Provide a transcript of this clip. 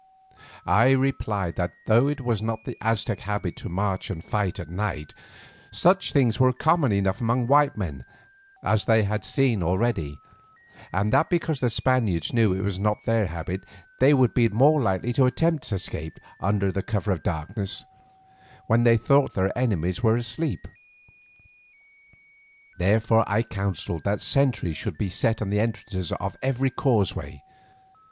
I replied that though it was not the Aztec habit to march and fight at night, such things were common enough among white men as they had seen already, and that because the Spaniards knew it was not their habit, they would be the more likely to attempt escape under cover of the darkness, when they thought their enemies asleep. Therefore I counselled that sentries should be set at all the entrances to every causeway.